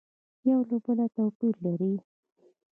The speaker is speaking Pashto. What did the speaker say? یو له بله تو پیر لري